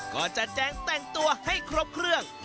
ก็จะแจ้งแต่งตัวให้ครบเครื่อง